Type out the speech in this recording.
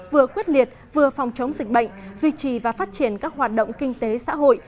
vừa quyết liệt vừa phòng chống dịch bệnh duy trì và phát triển các hoạt động kinh tế xã hội